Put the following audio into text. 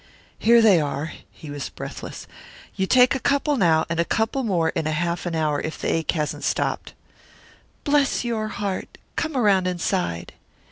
"Here they are." He was breathless. "You take a couple now and a couple more in half an hour if the ache hasn't stopped." "Bless your heart! Come around inside."